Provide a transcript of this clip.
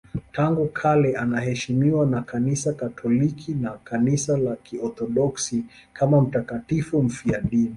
Tangu kale anaheshimiwa na Kanisa Katoliki na Kanisa la Kiorthodoksi kama mtakatifu mfiadini.